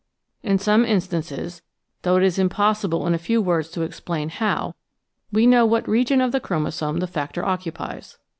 In some instances (though it is impossible in a few words to explain how) we know what region of the chromosome the factor occupies.